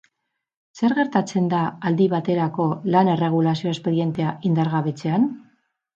Zer gertatzen da aldi baterako lan-erregulazio espedientea indargabetzean?